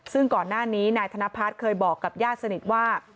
ซึ่งก่อนหน้านี้นายธนพัฒน์เคยบอกกับญาติสนิทว่า